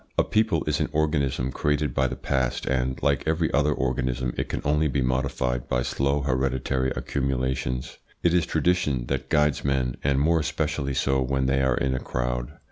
A people is an organism created by the past, and, like every other organism, it can only be modified by slow hereditary accumulations. It is tradition that guides men, and more especially so when they are in a crowd.